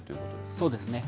そうですね。